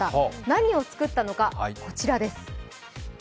何を作ったのか、こちらです。